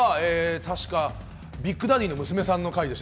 確かビッグダディの娘さんの回です。